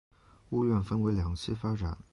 屋苑分为两期发展。